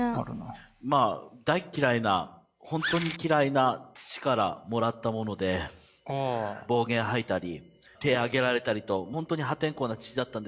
まあ大嫌いな本当に嫌いな父からもらったもので暴言吐いたり手上げられたりと本当に破天荒な父だったんですけど。